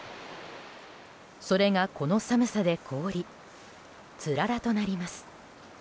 それが、この寒さで凍りつららとなります。